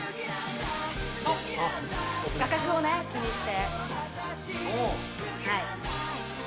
画角をね気にして）